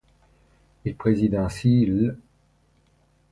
Il préside ainsi l'.